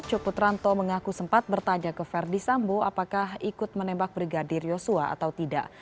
cuk putranto mengaku sempat bertanya ke verdi sambo apakah ikut menembak brigadir yosua atau tidak